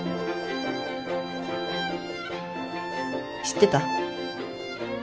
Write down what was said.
知ってた？